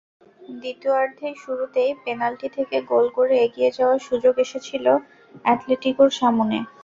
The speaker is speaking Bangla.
দ্বিতীয়ার্ধের শুরুতেই পেনাল্টি থেকে গোল করে এগিয়ে যাওয়ার সুযোগ এসেছিল অ্যাটলেটিকোর সামনে।